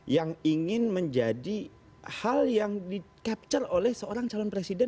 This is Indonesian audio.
yang ingin menjadi hal yang di capture oleh seorang calon presiden